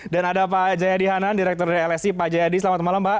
dan ada pak jayadi hanan direktur dari lsi pak jayadi selamat malam mbak